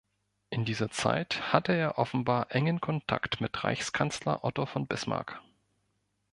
In dieser Zeit hatte er offenbar engen Kontakt mit Reichskanzler Otto von Bismarck.